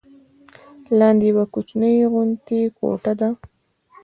لاندې یوه کوچنۍ غوندې کوټه ده.